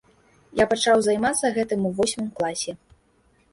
Я пачаў займацца гэтым у восьмым класе.